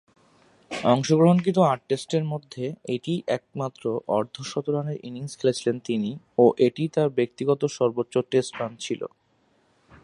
অংশগ্রহণকৃত আট টেস্টের মধ্যে এটিই একমাত্র অর্ধ-শতরানের ইনিংস খেলেছিলেন তিনি ও এটিই তার ব্যক্তিগত সর্বোচ্চ টেস্ট রান ছিল।